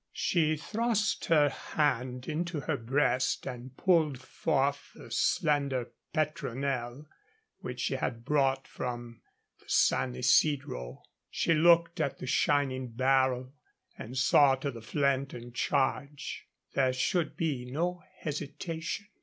She thrust her hand into her breast and pulled forth the slender petronel which she had brought from the San Isidro. She looked at the shining barrel and saw to the flint and charge. There should be no hesitation.